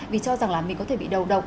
vì cho rằng là mình có thể bị đầu độc